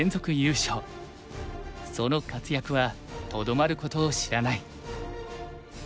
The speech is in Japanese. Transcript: その活躍はとどまることを知らない。